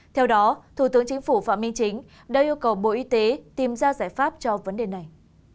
theo đó thủ tướng chính phủ phạm minh chính đã yêu cầu bộ y tế tìm ra giải pháp cho vấn đề này